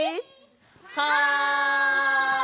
はい！